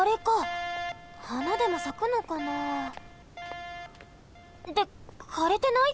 はなでもさくのかな？ってかれてない？